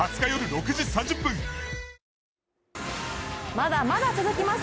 まだまだ続きます